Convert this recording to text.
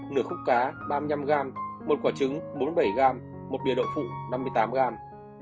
nửa khúc cá ba mươi năm gram một quả trứng bốn mươi bảy gram một bìa đội phụ năm mươi tám gram